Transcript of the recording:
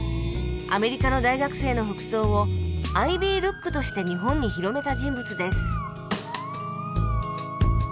アメリカの大学生の服装をアイビールックとして日本に広めた人物です